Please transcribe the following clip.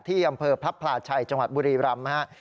ที่อำเภอพระพลาชัยจังหวัดบุรีรำนะครับ